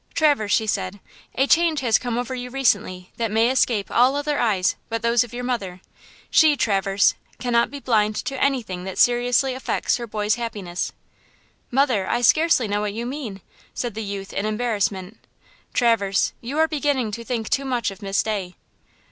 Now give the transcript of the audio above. "Traverse," she said, "a change has come over you recently that may escape all other eyes but those of your mother; she, Traverse, cannot be blind to anything that seriously affects her boy's happiness." "Mother, I scarcely know what you mean," said the youth in embarrassment. "Traverse, you are beginning to think too much of Miss Day."